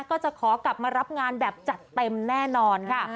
ก็จะขอกลับมารับงานแบบจัดเต็มแน่นอนค่ะ